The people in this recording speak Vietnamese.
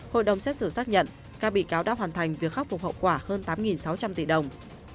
hội đồng xét xử xác nhận các bị cáo đã hoàn thành việc khắc phục hậu quả hơn tám sáu trăm linh tỷ đồng